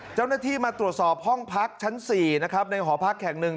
เจ้าหน้าที่มาตรวจสอบห้องพักชั้น๔นะครับในหอพักแห่งหนึ่ง